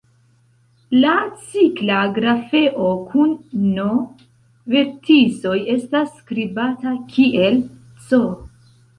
La cikla grafeo kun "n" verticoj estas skribata kiel "C".